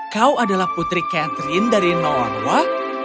kau adalah putri catherine dari nolwa